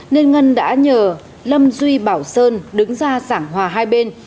nên ngân đã nhờ lâm duy bảo sơn đứng ra giảng hòa hai bên